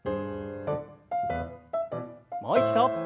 もう一度。